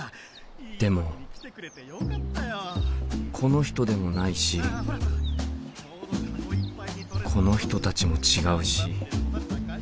でもこの人でもないしこの人たちも違うし。